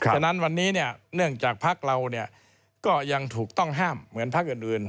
ฉะนั้นวันนี้เนี่ยเนื่องจากภักษ์เราเนี่ยก็ยังถูกต้องห้ามเหมือนภักษ์อื่น